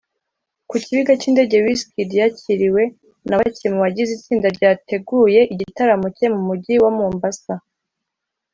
Ku kibiga cy’indege Wizkid yakiriwe na bake mu bagize itsinda ryateguye igitaramo cye mu Mujyi wa Mombasa